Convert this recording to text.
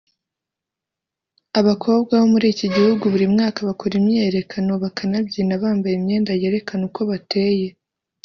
Abakobwa bo muri iki gihugu buri mwaka bakora imyiyerekano bakanabyina bambaye imyenda yerekana uko bateye